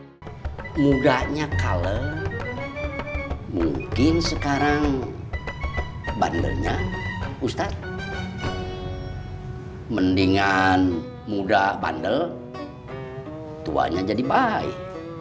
hai mudanya kalau mungkin sekarang bandelnya ustadz mendingan muda bandel tuanya jadi baik